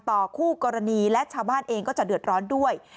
คู่กรณีและชาวบ้านเองก็จะเดือดร้อนด้วย